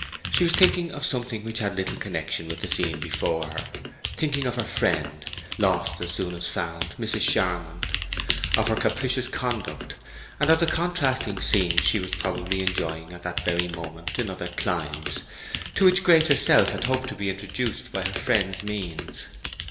She was thinking of something which had little connection with the scene before her—thinking of her friend, lost as soon as found, Mrs. Charmond; of her capricious conduct, and of the contrasting scenes she was possibly enjoying at that very moment in other climes, to which Grace herself had hoped to be introduced by her friend's means.